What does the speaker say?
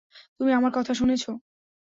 তুমি আমার কথা শুনছো।